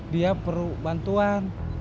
dia perlu bantuan